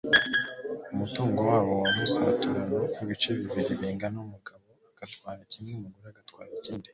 umutungo wabo bawusaturamo ibice bibiri bingana umugabo agatwara kimwe umugore agatwara ikindi